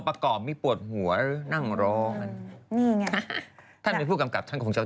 อ่าในช่วงหน้านะคะ